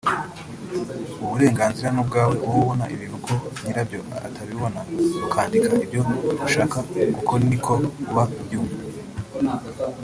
Uburenganzira n’Ubwawe wowe ubona ibintu uko nyirabyo atabibona ukandika ibyo ushaka kuko niko uba ubyumva